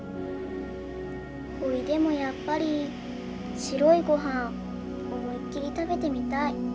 ほいでもやっぱり白いごはん思いっきり食べてみたい。